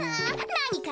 なにか？